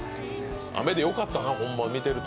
雨でよかったな、ホンマ、見てると。